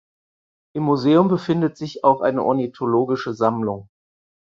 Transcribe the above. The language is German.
Im Museum befindet sich auch eine ornithologische Sammlung.